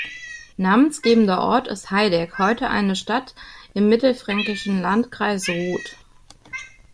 Namensgebender Ort ist Heideck, heute eine Stadt im mittelfränkischen Landkreis Roth.